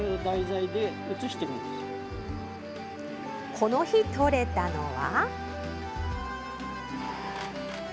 この日、撮れたのは。